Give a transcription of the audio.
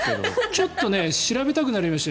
ちょっと調べたくなりました。